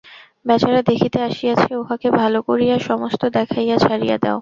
বেচারা দেখিতে আসিয়াছে, উহাকে ভালো করিয়া সমস্ত দেখাইয়া ছাড়িয়া দাও।